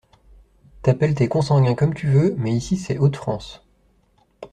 t’appelles tes consanguins comme tu veux, mais ici, c’est Hauts-de-France.